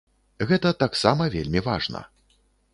Гэта таксама вельмі важна.